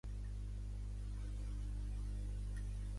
Aquell mateix any va sortir a 'Yankee Doodle Dandy' fent de recepcionista.